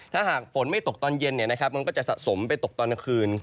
ถ้าหากฝนไม่ตกตอนเย็นมันก็จะสะสมไปตกตอนกลางคืน